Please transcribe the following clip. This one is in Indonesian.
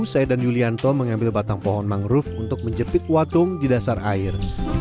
saya dan yulianto mengambil batang pohon mangrove untuk menjepit watung di dasar air